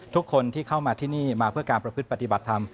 ทุกคนที่เข้ามาที่นี่มาเพื่อการประพฤติปฏิบัติธรรม